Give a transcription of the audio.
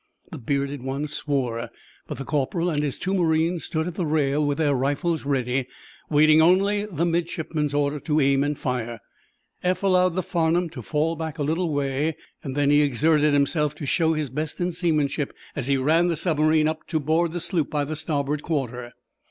The bearded one swore, but the corporal and his two marines stood at the rail with their rifles ready, waiting only the midshipman's order to aim and fire. Eph allowed the "Farnum" to fall back a little way. Then he exerted himself to show his best in seamanship as he ran the submarine up to board the sloop by the starboard quarter.